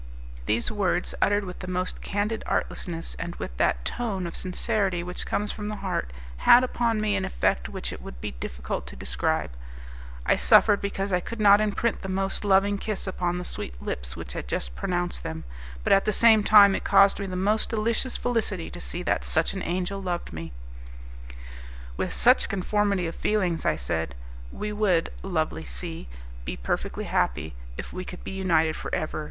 These words, uttered with the most candid artlessness, and with that tone of sincerity which comes from the heart, had upon me an effect which it would be difficult to describe; I suffered because I could not imprint the most loving kiss upon the sweet lips which had just pronounced them, but at the same time it caused me the most delicious felicity to see that such an angel loved me. "With such conformity of feelings," I said, "we would, lovely C , be perfectly happy, if we could be united for ever.